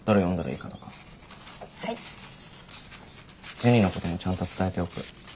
ジュニのこともちゃんと伝えておく。